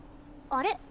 あれ？